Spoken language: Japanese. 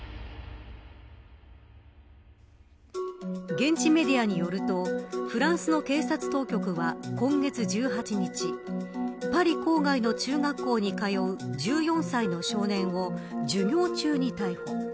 現地メディアによるとフランスの警察当局は今月１８日パリ郊外の中学校に通う１４歳の少年を、授業中に逮捕。